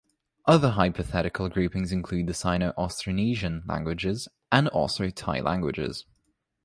Other hypothetical groupings include the Sino-Austronesian languages and Austro-Tai languages.